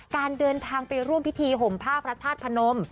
การเดินทางไปร่วมพิธีห่มผ้าพระธาตุพนม